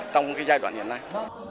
trong cái giai đoạn hiện nay